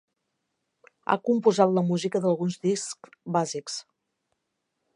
Ha composat la música d'alguns discs bàsics.